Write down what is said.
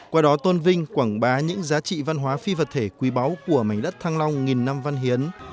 qua đó tôn vinh quảng bá những giá trị văn hóa phi vật thể quý báu của mảnh đất thăng long nghìn năm văn hiến